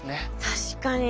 確かに。